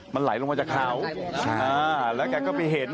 มันไหลลงมาจากเขาแล้วแกก็ไปเห็น